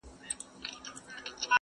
زما له لاسه تر سږمو چي كلى كور سو!!